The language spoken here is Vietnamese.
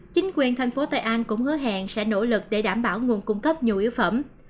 chính quyền thành phố tây an cũng hứa hẹn sẽ nỗ lực để đảm bảo nguồn cung cấp nhiều yếu phẩm